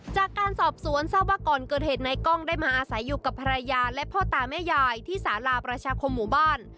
จากการสอบสวนทราบว่าก่อนเกิดเหตุนายกล้องได้มาอาศัยอยู่กับภรรยาและพ่อตาแม่ยายที่สาราประชาคมหมู่บ้าน